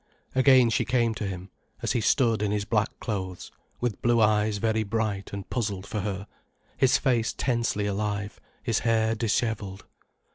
Again she came to him, as he stood in his black clothes, with blue eyes very bright and puzzled for her, his face tensely alive, his hair dishevelled.